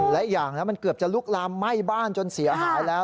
และอีกอย่างนะมันเกือบจะลุกลามไหม้บ้านจนเสียหายแล้ว